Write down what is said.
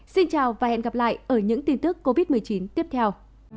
xin chào và hẹn gặp lại ở những tin tức covid một mươi chín tiếp theo